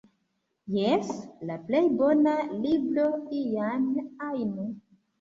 Jes, la plej bona libro iam ajn